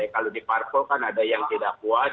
kalau di parkour kan ada yang tidak puas